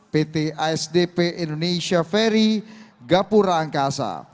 pt asdp indonesia ferry gapura angkasa